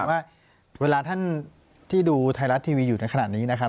ว่าเวลาท่านที่ดูไทยรัฐทีวีอยู่ในขณะนี้นะครับ